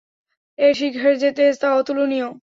এর শিখার যে তেজ, তা অতুলনীয়।